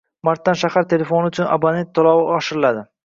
Martdan shahar telefoni uchun abonent toʻlovi oshiriladi.